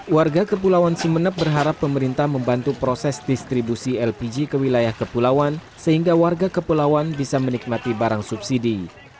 warga kepulauan sumeneb berharap pemerintah membantu proses distribusi lpg ke wilayah kepulauan sehingga warga kepulauan bisa menikmati barang subsidi